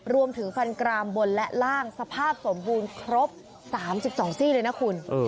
รวมถึงฟันกรามบนและล่างสภาพสมบูรณ์ครบ๓๒ซี่เลยนะคุณ